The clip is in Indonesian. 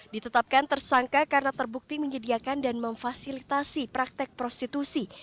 ditetapkan tersangka karena terbukti menyediakan dan memfasilitasi praktek prostitusi